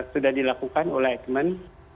sudah dilakukan oleh ekman